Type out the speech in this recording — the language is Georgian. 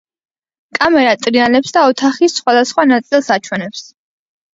კამერა ტრიალებს და ოთახის სხვადასხვა ნაწილს აჩვენებს.